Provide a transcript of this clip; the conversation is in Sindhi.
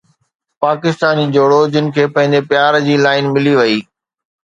پاڪستاني جوڙو جن کي پنهنجي پيار جي لائن ملي وئي